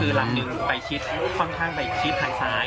คือลำหนึ่งไปชิดค่อนข้างไปชิดทางซ้าย